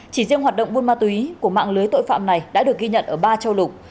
chỉ riêng hoạt động buôn ma túy của mạng lưới tội phạm này đã được ghi nhận ở ba châu lục